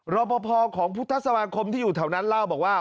รอปภของพุทธสมาคมที่อยู่แถวนั้นเล่าบอกว่า